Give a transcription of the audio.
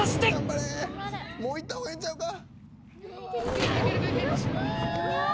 もう行った方がええんちゃうか？